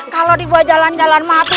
kalau dibuat jalan jalan mati